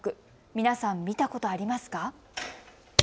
皆さん、見たことありますか。